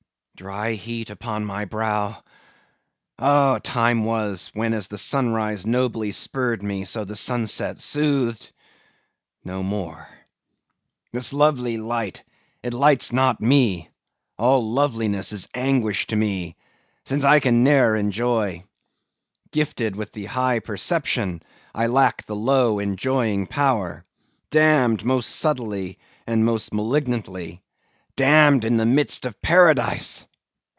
Dry heat upon my brow? Oh! time was, when as the sunrise nobly spurred me, so the sunset soothed. No more. This lovely light, it lights not me; all loveliness is anguish to me, since I can ne'er enjoy. Gifted with the high perception, I lack the low, enjoying power; damned, most subtly and most malignantly! damned in the midst of Paradise!